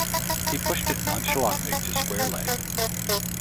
He pushed it nonchalantly to square leg.